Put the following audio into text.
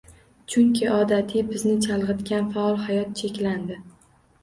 Chunki odatiy bizni chalg’itgan faol hayot cheklandi